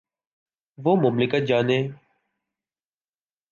وہ مملکت جانے۔